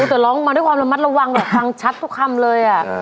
แต่ร้องมาด้วยความระมัดระวังแหละฟังชัดทุกคำเลย